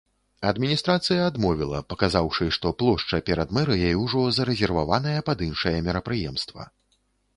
Адміністрацыя адмовіла, паказаўшы, што плошча перад мэрыяй ўжо зарэзерваваная пад іншае мерапрыемства.